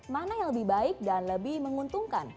mana yang lebih baik dan lebih menguntungkan